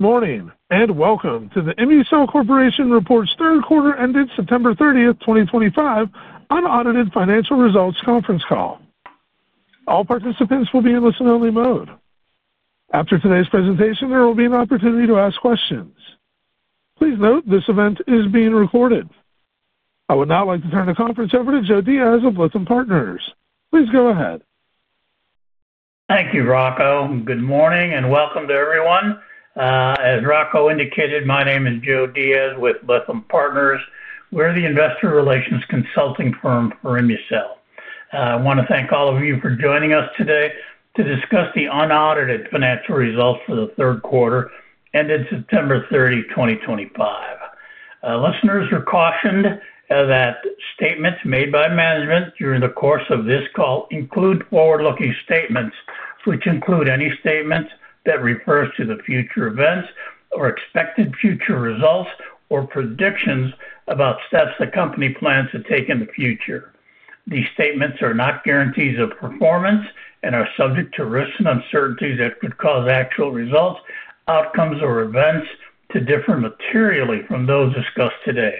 Morning, and welcome to the ImmuCell Corporation reports third quarter ended September 30, 2025, unaudited financial results conference call. All participants will be in listen-only mode. After today's presentation, there will be an opportunity to ask questions. Please note this event is being recorded. I would now like to turn the conference over to Joe Diaz of Lytham Partners. Please go ahead. Thank you, Rocco. Good morning and welcome to everyone. As Rocco indicated, my name is Joe Diaz with Lytham Partners. We're the investor relations consulting firm for ImmuCell. I want to thank all of you for joining us today to discuss the unaudited financial results for the third quarter ended September 30, 2025. Listeners are cautioned that statements made by management during the course of this call include forward-looking statements, which include any statements that refer to future events or expected future results or predictions about steps the company plans to take in the future. These statements are not guarantees of performance and are subject to risks and uncertainties that could cause actual results, outcomes, or events to differ materially from those discussed today.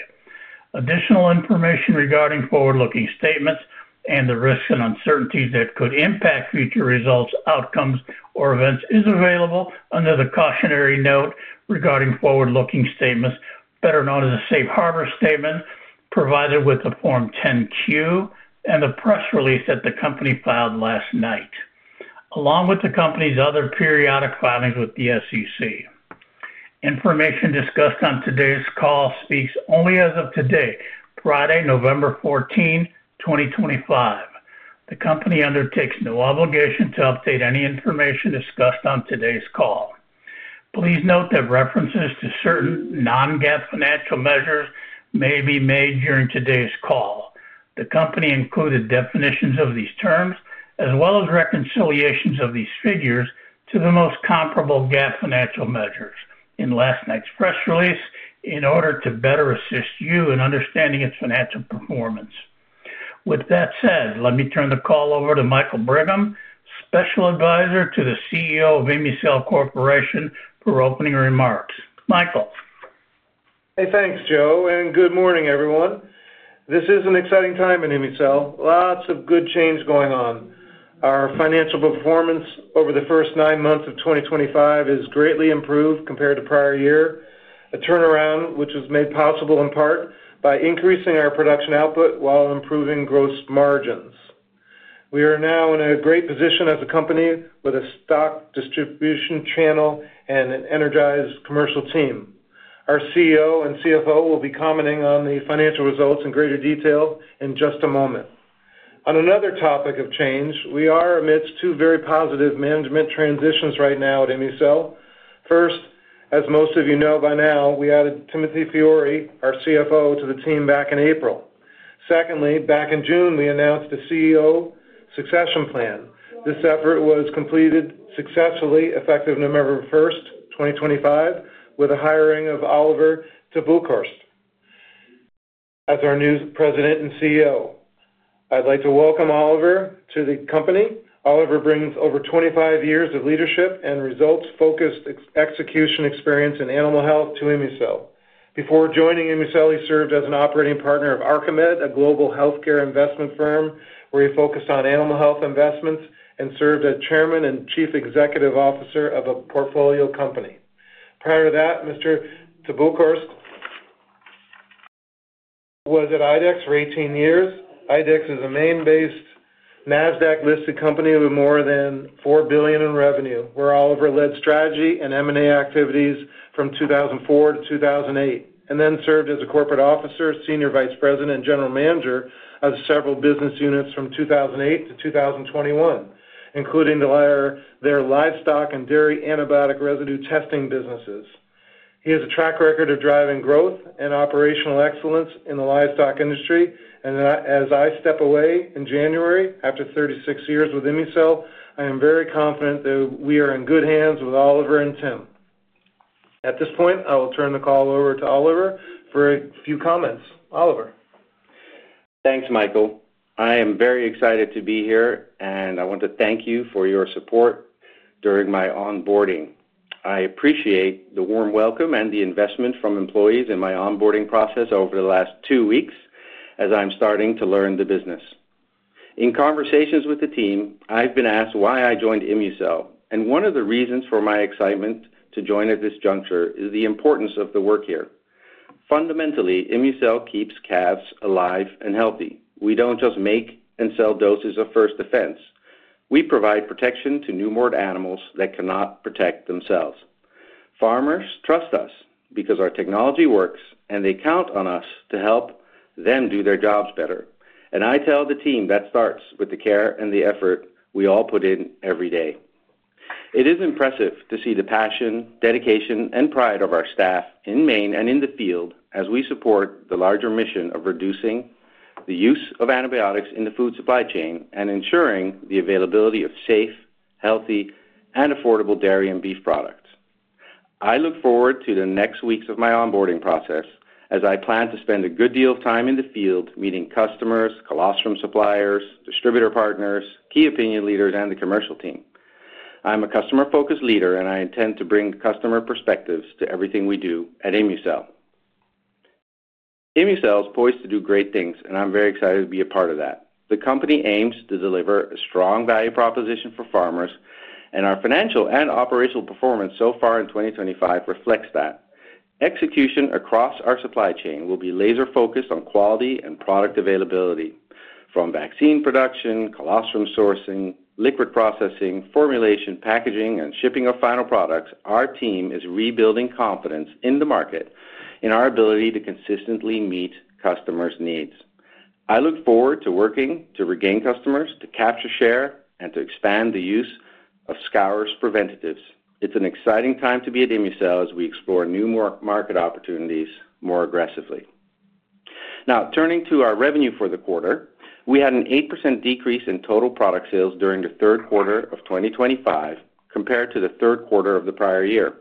Additional information regarding forward-looking statements and the risks and uncertainties that could impact future results, outcomes, or events is available under the cautionary note regarding forward-looking statements, better known as the safe harbor statement provided with the Form 10-Q and the press release that the company filed last night, along with the company's other periodic filings with the SEC. Information discussed on today's call speaks only as of today, Friday, November 14, 2025. The company undertakes no obligation to update any information discussed on today's call. Please note that references to certain non-GAAP financial measures may be made during today's call. The company included definitions of these terms as well as reconciliations of these figures to the most comparable GAAP financial measures in last night's press release in order to better assist you in understanding its financial performance. With that said, let me turn the call over to Michael Brigham, Special Advisor to the CEO of ImmuCell Corporation, for opening remarks. Michael. Hey, thanks, Joe, and good morning, everyone. This is an exciting time in ImmuCell. Lots of good change going on. Our financial performance over the first nine months of 2025 is greatly improved compared to prior year. A turnaround which was made possible in part by increasing our production output while improving gross margins. We are now in a great position as a company with a stock distribution channel and an energized commercial team. Our CEO and CFO will be commenting on the financial results in greater detail in just a moment. On another topic of change, we are amidst two very positive management transitions right now at ImmuCell. First, as most of you know by now, we added Timothy Fiori, our CFO, to the team back in April. Secondly, back in June, we announced a CEO succession plan. This effort was completed successfully effective November 1, 2025, with a hiring of Olivier te Boekhorst as our new President and CEO. I'd like to welcome Olivier to the company. Olivier brings over 25 years of leadership and results-focused execution experience in animal health to ImmuCell. Before joining ImmuCell, he served as an operating partner of Arcomed, a global healthcare investment firm where he focused on animal health investments and served as Chairman and Chief Executive Officer of a portfolio company. Prior to that, Mr. te Boekhorst was at IDEX for 18 years. IDEX is a Maine-based NASDAQ-listed company with more than $4 billion in revenue. Olivier led strategy and M&A activities from 2004 to 2008, and then served as a corporate officer, Senior Vice President, and General Manager of several business units from 2008 to 2021, including their livestock and dairy antibiotic residue testing businesses. He has a track record of driving growth and operational excellence in the livestock industry. As I step away in January after 36 years with ImmuCell, I am very confident that we are in good hands with Olivier and Tim. At this point, I will turn the call over to Olivier for a few comments. Olivier. Thanks, Michael. I am very excited to be here, and I want to thank you for your support during my onboarding. I appreciate the warm welcome and the investment from employees in my onboarding process over the last two weeks as I'm starting to learn the business. In conversations with the team, I've been asked why I joined ImmuCell, and one of the reasons for my excitement to join at this juncture is the importance of the work here. Fundamentally, ImmuCell keeps calves alive and healthy. We don't just make and sell doses of First Defense. We provide protection to newborn animals that cannot protect themselves. Farmers trust us because our technology works, and they count on us to help them do their jobs better. I tell the team that starts with the care and the effort we all put in every day. It is impressive to see the passion, dedication, and pride of our staff in Maine and in the field as we support the larger mission of reducing the use of antibiotics in the food supply chain and ensuring the availability of safe, healthy, and affordable dairy and beef products. I look forward to the next weeks of my onboarding process as I plan to spend a good deal of time in the field meeting customers, colostrum suppliers, distributor partners, key opinion leaders, and the commercial team. I'm a customer-focused leader, and I intend to bring customer perspectives to everything we do at ImmuCell. ImmuCell is poised to do great things, and I'm very excited to be a part of that. The company aims to deliver a strong value proposition for farmers, and our financial and operational performance so far in 2025 reflects that. Execution across our supply chain will be laser-focused on quality and product availability. From vaccine production, colostrum sourcing, liquid processing, formulation, packaging, and shipping of final products, our team is rebuilding confidence in the market and our ability to consistently meet customers' needs. I look forward to working to regain customers, to capture share, and to expand the use of scour preventatives. It's an exciting time to be at ImmuCell as we explore new market opportunities more aggressively. Now, turning to our revenue for the quarter, we had an 8% decrease in total product sales during the third quarter of 2025 compared to the third quarter of the prior year.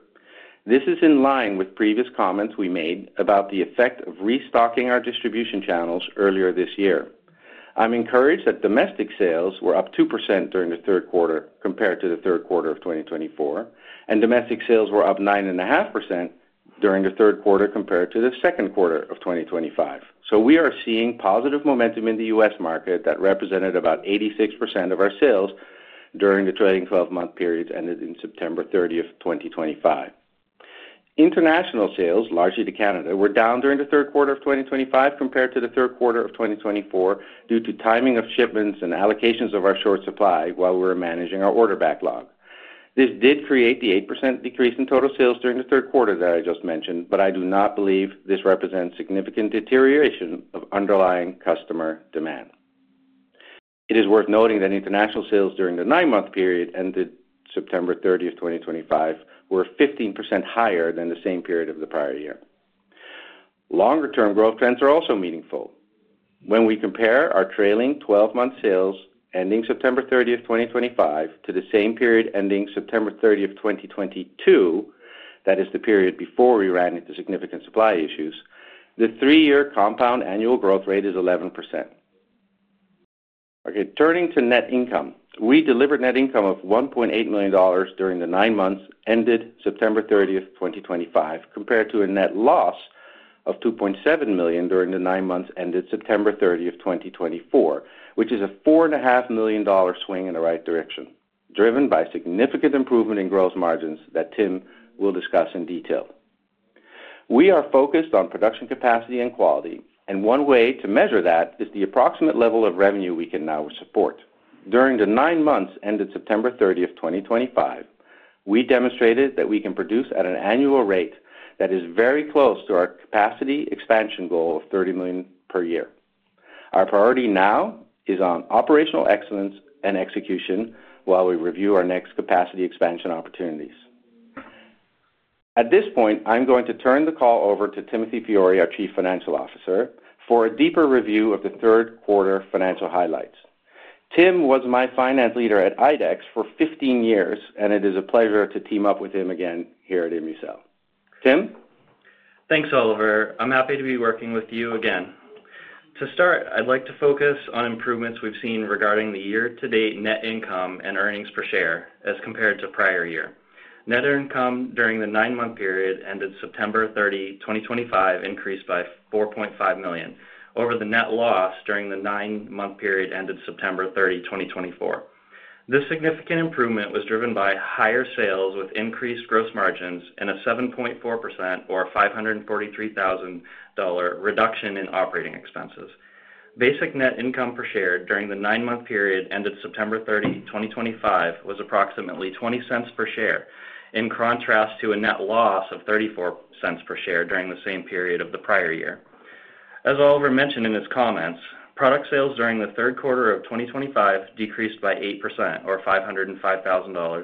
This is in line with previous comments we made about the effect of restocking our distribution channels earlier this year. I'm encouraged that domestic sales were up 2% during the third quarter compared to the third quarter of 2024, and domestic sales were up 9.5% during the third quarter compared to the second quarter of 2025. We are seeing positive momentum in the U.S. market that represented about 86% of our sales during the trailing 12-month period ended September 30, 2025. International sales, largely to Canada, were down during the third quarter of 2025 compared to the third quarter of 2024 due to timing of shipments and allocations of our short supply while we were managing our order backlog. This did create the 8% decrease in total sales during the third quarter that I just mentioned, but I do not believe this represents significant deterioration of underlying customer demand. It is worth noting that international sales during the nine-month period ended September 30, 2025, were 15% higher than the same period of the prior year. Longer-term growth trends are also meaningful. When we compare our trailing 12-month sales ending September 30, 2025, to the same period ending September 30, 2022, that is the period before we ran into significant supply issues, the three-year compound annual growth rate is 11%. Okay, turning to net income, we delivered net income of $1.8 million during the nine months ended September 30, 2025, compared to a net loss of $2.7 million during the nine months ended September 30, 2024, which is a $4.5 million swing in the right direction, driven by significant improvement in gross margins that Tim will discuss in detail. We are focused on production capacity and quality, and one way to measure that is the approximate level of revenue we can now support. During the nine months ended September 30, 2025, we demonstrated that we can produce at an annual rate that is very close to our capacity expansion goal of $30 million per year. Our priority now is on operational excellence and execution while we review our next capacity expansion opportunities. At this point, I'm going to turn the call over to Timothy Fiori, our Chief Financial Officer, for a deeper review of the third quarter financial highlights. Tim was my finance leader at IDEX for 15 years, and it is a pleasure to team up with him again here at ImmuCell. Tim? Thanks, Olivier. I'm happy to be working with you again. To start, I'd like to focus on improvements we've seen regarding the year-to-date net income and earnings per share as compared to prior year. Net income during the nine-month period ended September 30, 2025, increased by $4.5 million over the net loss during the nine-month period ended September 30, 2024. This significant improvement was driven by higher sales with increased gross margins and a 7.4% or $543,000 reduction in operating expenses. Basic net income per share during the nine-month period ended September 30, 2025, was approximately $0.20 per share, in contrast to a net loss of $0.34 per share during the same period of the prior year. As Olivier mentioned in his comments, product sales during the third quarter of 2025 decreased by 8% or $505,000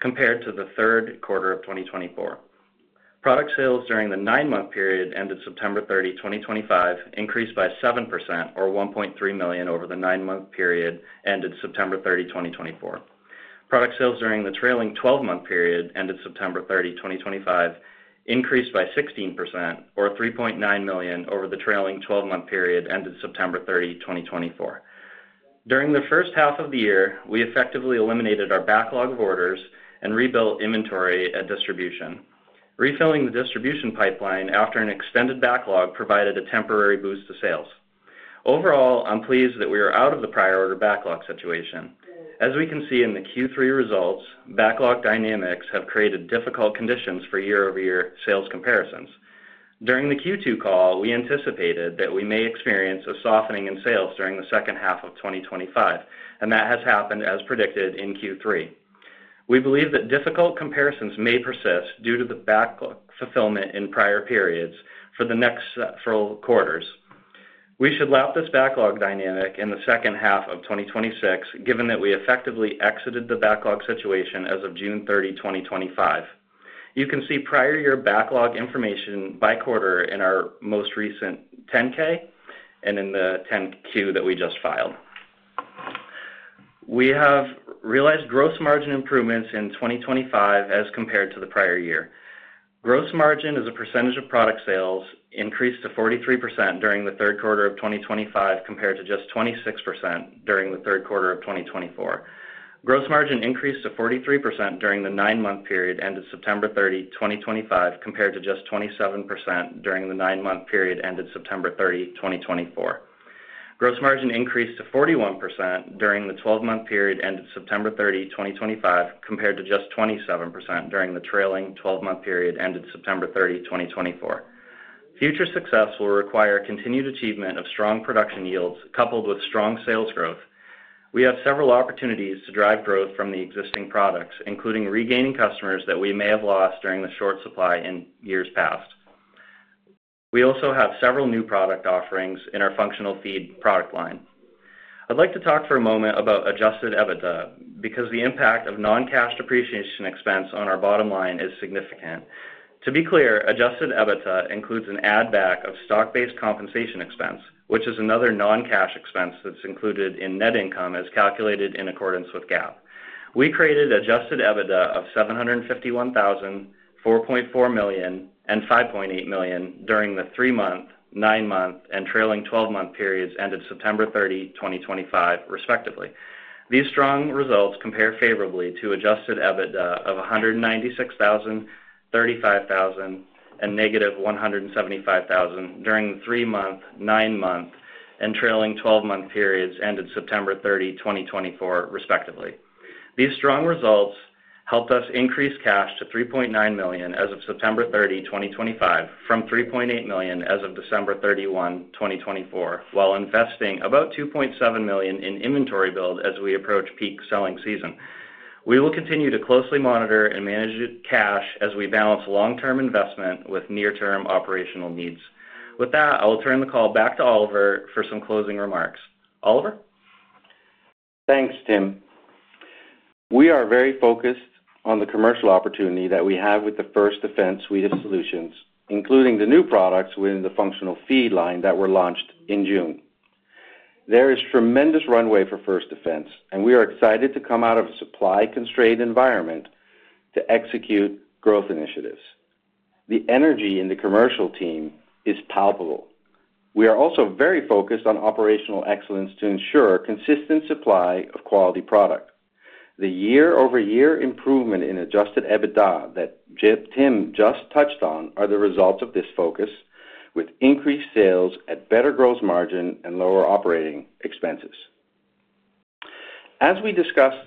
compared to the third quarter of 2024. Product sales during the nine-month period ended September 30, 2025, increased by 7% or $1.3 million over the nine-month period ended September 30, 2024. Product sales during the trailing 12-month period ended September 30, 2025, increased by 16% or $3.9 million over the trailing 12-month period ended September 30, 2024. During the first half of the year, we effectively eliminated our backlog of orders and rebuilt inventory at distribution. Refilling the distribution pipeline after an extended backlog provided a temporary boost to sales. Overall, I'm pleased that we are out of the prior order backlog situation. As we can see in the Q3 results, backlog dynamics have created difficult conditions for year-over-year sales comparisons. During the Q2 call, we anticipated that we may experience a softening in sales during the second half of 2025, and that has happened as predicted in Q3. We believe that difficult comparisons may persist due to the backlog fulfillment in prior periods for the next several quarters. We should lap this backlog dynamic in the second half of 2026, given that we effectively exited the backlog situation as of June 30, 2025. You can see prior year backlog information by quarter in our most recent 10-K and in the 10-Q that we just filed. We have realized gross margin improvements in 2025 as compared to the prior year. Gross margin as a percentage of product sales increased to 43% during the third quarter of 2025 compared to just 26% during the third quarter of 2024. Gross margin increased to 43% during the nine-month period ended September 30, 2025, compared to just 27% during the nine-month period ended September 30, 2024. Gross margin increased to 41% during the 12-month period ended September 30, 2025, compared to just 27% during the trailing 12-month period ended September 30, 2024. Future success will require continued achievement of strong production yields coupled with strong sales growth. We have several opportunities to drive growth from the existing products, including regaining customers that we may have lost during the short supply in years past. We also have several new product offerings in our functional feed product line. I'd like to talk for a moment about adjusted EBITDA because the impact of non-cash depreciation expense on our bottom line is significant. To be clear, adjusted EBITDA includes an add-back of stock-based compensation expense, which is another non-cash expense that's included in net income as calculated in accordance with GAAP. We created adjusted EBITDA of $751,000, $4.4 million, and $5.8 million during the three-month, nine-month, and trailing 12-month periods ended September 30, 2025, respectively. These strong results compare favorably to adjusted EBITDA of $196,000, $35,000, and negative $175,000 during the three-month, nine-month, and trailing 12-month periods ended September 30, 2024, respectively. These strong results helped us increase cash to $3.9 million as of September 30, 2025, from $3.8 million as of December 31, 2024, while investing about $2.7 million in inventory build as we approach peak selling season. We will continue to closely monitor and manage cash as we balance long-term investment with near-term operational needs. With that, I will turn the call back to Olivier for some closing remarks. Olivier? Thanks, Tim. We are very focused on the commercial opportunity that we have with the First Defense suite of solutions, including the new products within the functional feed line that were launched in June. There is tremendous runway for First Defense, and we are excited to come out of a supply-constrained environment to execute growth initiatives. The energy in the commercial team is palpable. We are also very focused on operational excellence to ensure consistent supply of quality product. The year-over-year improvement in adjusted EBITDA that Tim just touched on are the result of this focus, with increased sales at better gross margin and lower operating expenses. As we discussed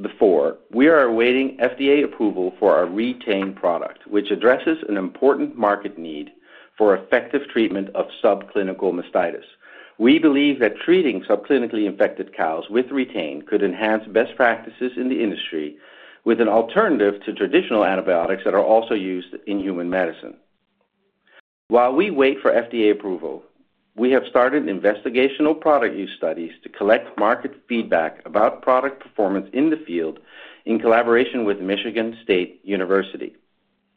before, we are awaiting FDA approval for our Re-Tain product, which addresses an important market need for effective treatment of subclinical mastitis. We believe that treating subclinically infected cows with Re-Tain could enhance best practices in the industry with an alternative to traditional antibiotics that are also used in human medicine. While we wait for FDA approval, we have started investigational product use studies to collect market feedback about product performance in the field in collaboration with Michigan State University.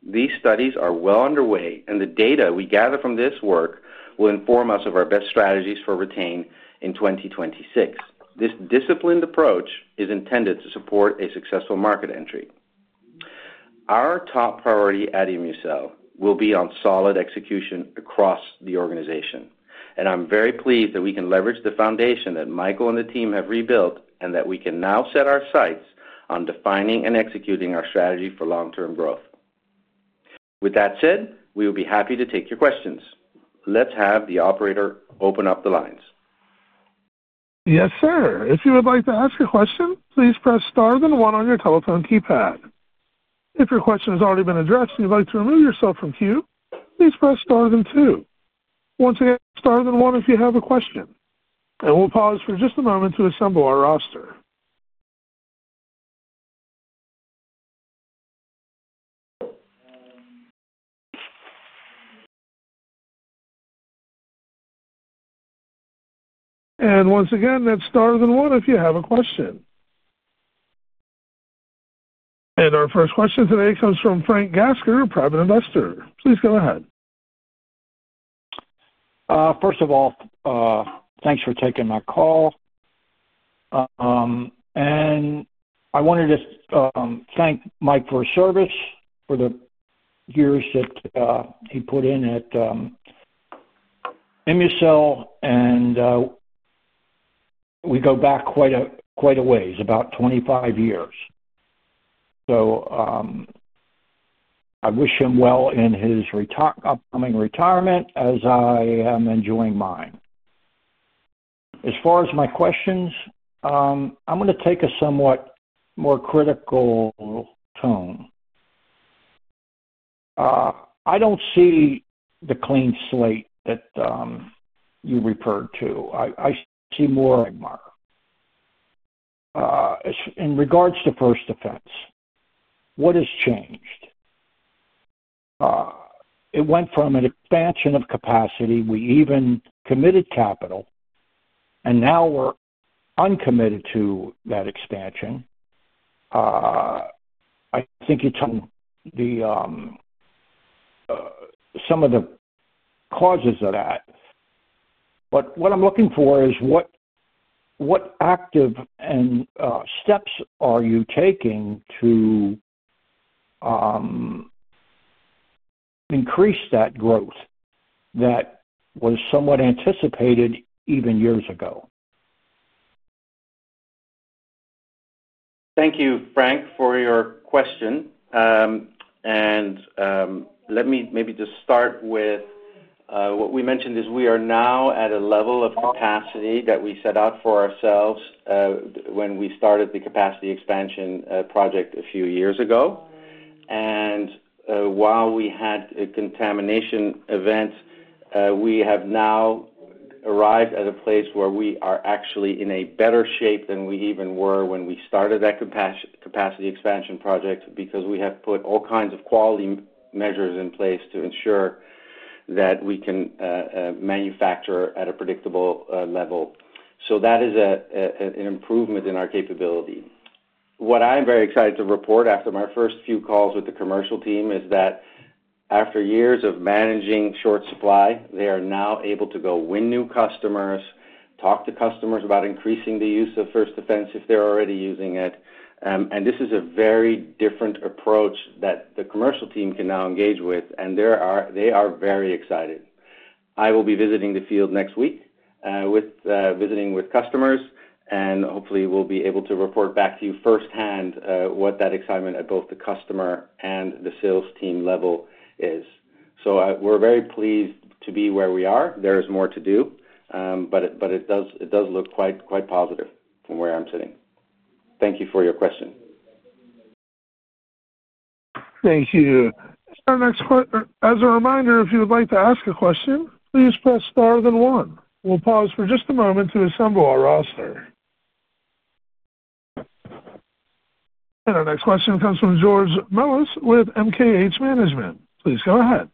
These studies are well underway, and the data we gather from this work will inform us of our best strategies for Re-Tain in 2026. This disciplined approach is intended to support a successful market entry. Our top priority at ImmuCell will be on solid execution across the organization, and I'm very pleased that we can leverage the foundation that Michael and the team have rebuilt and that we can now set our sights on defining and executing our strategy for long-term growth. With that said, we will be happy to take your questions. Let's have the operator open up the lines. Yes, sir. If you would like to ask a question, please press star then one on your telephone keypad. If your question has already been addressed and you'd like to remove yourself from queue, please press star then two. Once again, star then one if you have a question. We'll pause for just a moment to assemble our roster. Once again, that's star then one if you have a question. Our first question today comes from Frank Gasker, a private investor. Please go ahead. First of all, thanks for taking my call. I wanted to thank Mike for his service for the years that he put in at ImmuCell, and we go back quite a ways, about 25 years. I wish him well in his upcoming retirement as I am enjoying mine. As far as my questions, I'm going to take a somewhat more critical tone. I don't see the clean slate that you referred to. I see more in regards to First Defense. What has changed? It went from an expansion of capacity. We even committed capital, and now we're uncommitted to that expansion. I think you told me some of the causes of that. What I'm looking for is what active steps are you taking to increase that growth that was somewhat anticipated even years ago? Thank you, Frank, for your question. Let me maybe just start with what we mentioned is we are now at a level of capacity that we set out for ourselves when we started the capacity expansion project a few years ago. While we had a contamination event, we have now arrived at a place where we are actually in better shape than we even were when we started that capacity expansion project because we have put all kinds of quality measures in place to ensure that we can manufacture at a predictable level. That is an improvement in our capability. What I'm very excited to report after my first few calls with the commercial team is that after years of managing short supply, they are now able to go win new customers, talk to customers about increasing the use of First Defense if they're already using it. This is a very different approach that the commercial team can now engage with, and they are very excited. I will be visiting the field next week visiting with customers, and hopefully, we'll be able to report back to you firsthand what that excitement at both the customer and the sales team level is. We are very pleased to be where we are. There is more to do, but it does look quite positive from where I'm sitting. Thank you for your question. Thank you. Next question, as a reminder, if you would like to ask a question, please press star then one. We'll pause for just a moment to assemble our roster. Our next question comes from George Melas with MKH Management. Please go ahead.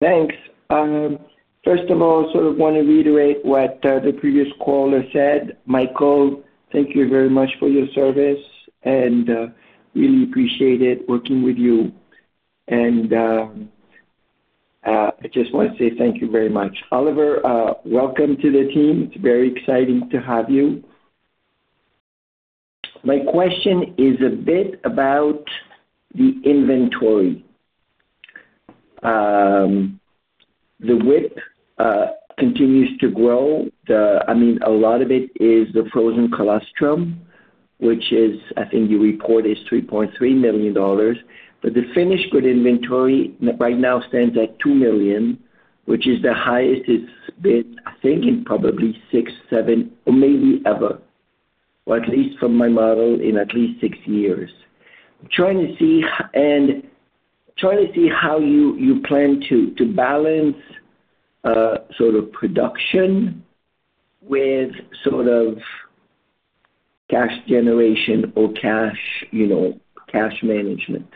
Thanks. First of all, I sort of want to reiterate what the previous caller said. Michael, thank you very much for your service, and really appreciate it working with you. I just want to say thank you very much. Olivier, welcome to the team. It's very exciting to have you. My question is a bit about the inventory. The WIP continues to grow. I mean, a lot of it is the frozen colostrum, which is, I think you report, is $3.3 million. The finished good inventory right now stands at $2 million, which is the highest it's been, I think, in probably six, seven, or maybe ever, or at least from my model in at least six years. I'm trying to see how you plan to balance sort of production with sort of cash generation or cash management.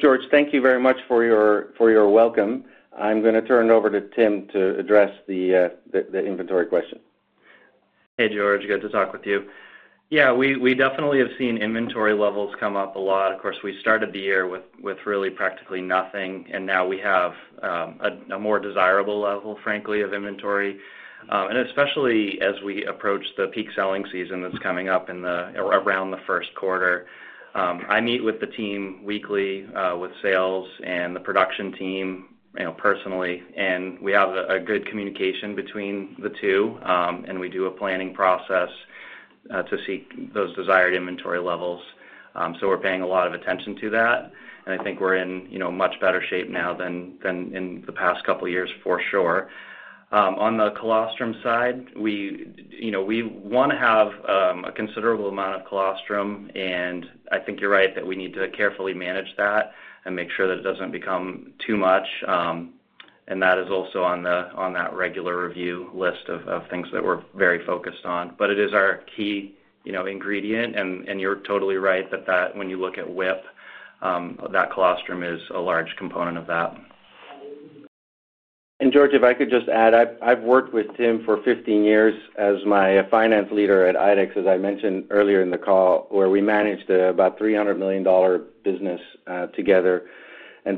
George, thank you very much for your welcome. I'm going to turn it over to Tim to address the inventory question. Hey, George. Good to talk with you. Yeah, we definitely have seen inventory levels come up a lot. Of course, we started the year with really practically nothing, and now we have a more desirable level, frankly, of inventory. Especially as we approach the peak selling season that's coming up around the first quarter. I meet with the team weekly with sales and the production team personally, and we have good communication between the two, and we do a planning process to seek those desired inventory levels. We're paying a lot of attention to that. I think we're in much better shape now than in the past couple of years, for sure. On the colostrum side, we want to have a considerable amount of colostrum, and I think you're right that we need to carefully manage that and make sure that it doesn't become too much. That is also on that regular review list of things that we're very focused on. It is our key ingredient, and you're totally right that when you look at WIP, that colostrum is a large component of that. George, if I could just add, I've worked with Tim for 15 years as my finance leader at IDEX, as I mentioned earlier in the call, where we managed about a $300 million business together.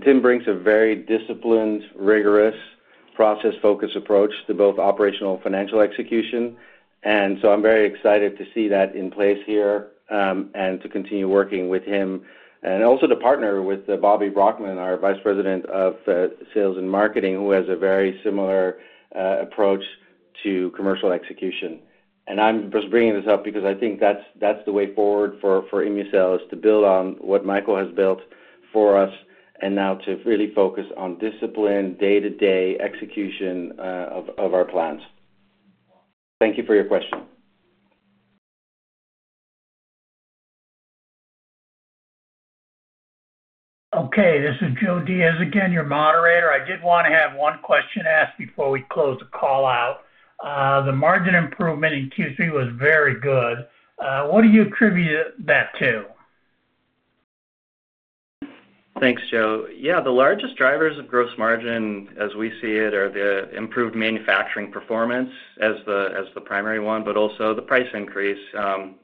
Tim brings a very disciplined, rigorous, process-focused approach to both operational and financial execution. I'm very excited to see that in place here and to continue working with him and also to partner with Bobbi Brockmann, our Vice President of Sales and Marketing, who has a very similar approach to commercial execution. I'm just bringing this up because I think that's the way forward for ImmuCell is to build on what Michael has built for us and now to really focus on discipline, day-to-day execution of our plans. Thank you for your question. Okay. This is Joe Diaz again, your moderator. I did want to have one question asked before we close the call out. The margin improvement in Q3 was very good. What do you attribute that to? Thanks, Joe. Yeah, the largest drivers of gross margin as we see it are the improved manufacturing performance as the primary one, but also the price increase.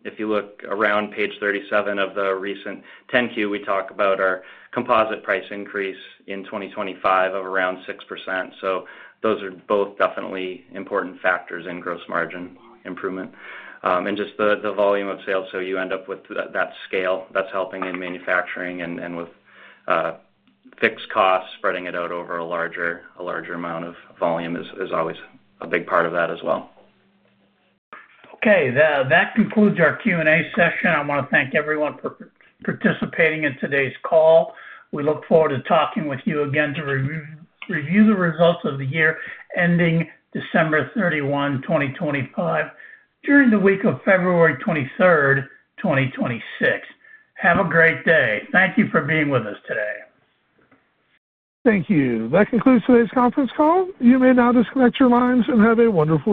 If you look around page 37 of the recent 10-Q, we talk about our composite price increase in 2025 of around 6%. Those are both definitely important factors in gross margin improvement. Just the volume of sales, you end up with that scale that's helping in manufacturing and with fixed costs spreading it out over a larger amount of volume is always a big part of that as well. Okay. That concludes our Q&A session. I want to thank everyone for participating in today's call. We look forward to talking with you again to review the results of the year ending December 31, 2025, during the week of February 23, 2026. Have a great day. Thank you for being with us today. Thank you. That concludes today's conference call. You may now disconnect your lines and have a wonderful day.